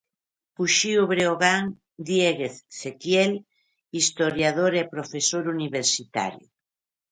Uxío Breogán Diéguez Cequiel, historiador e profesor universitario.